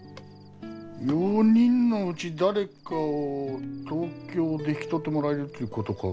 ４人のうち誰かを東京で引き取ってもらえるっちゅうことか。